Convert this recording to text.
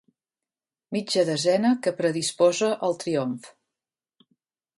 Mitja desena que predisposa al triomf.